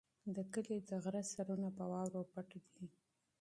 د کلي د غره سرونه په واورو پټ دي.